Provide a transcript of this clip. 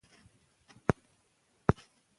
که نوښت وکړو نو زوړ نه پاتې کیږو.